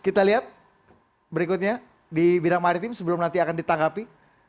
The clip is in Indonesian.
kita lihat berikutnya di bidang maritim sebelum nanti akan ditanggapi